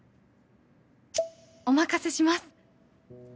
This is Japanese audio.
「お任せします」。